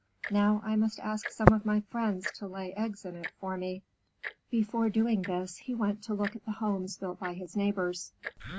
Now I must ask some of my friends to lay eggs in it for me." Before doing this, he went to look at the homes built by his neighbors.